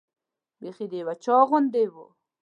بیخي د یو چا غوندې وه.